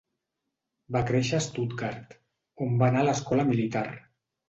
Va créixer a Stuttgart, on va anar a l'Escola Militar.